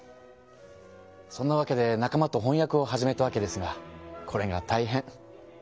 そんなわけで仲間とほんやくを始めたわけですがこれがたいへん。